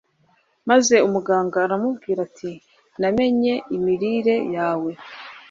maze umuganga aramubwira ati Namenye imirire yawe